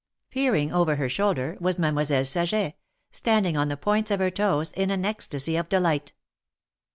Peering over her shoulder was Mademoiselle Saget, standing on the points of her toes in an ecstasy of delight.